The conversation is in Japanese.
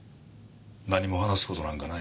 何も話す事なんかない。